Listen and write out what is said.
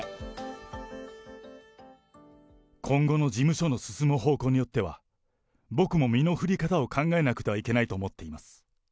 今後の事務所の進む方向によっては、僕も身の振り方を考えなくてはいけないと思っています。